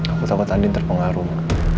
aku takut andin terpengaruh